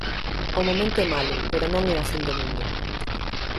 O momento é malo pero non é a fin do mundo.